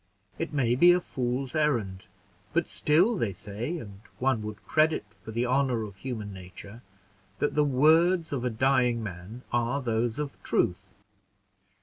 It may be a fool's errand, but still they say, and one would credit, for the honor of human nature, that the words of a dying man are those of truth.